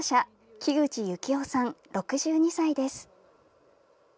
木口幸夫さん、６２歳です。